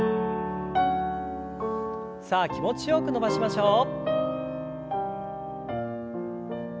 さあ気持ちよく伸ばしましょう。